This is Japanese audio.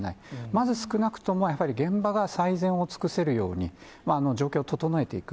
まず少なくとも、やっぱり現場が最善を尽くせるように、状況を整えていく。